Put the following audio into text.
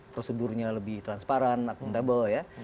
prosedurnya lebih transparan akuntabel ya